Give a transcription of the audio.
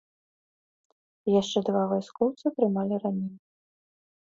Яшчэ два вайскоўца атрымалі раненні.